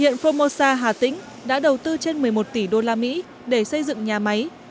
hiện phongmosa hà tĩnh đã đầu tư trên một mươi một tỷ đô la mỹ để xây dựng nhà máy